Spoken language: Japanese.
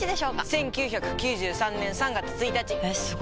１９９３年３月１日！えすご！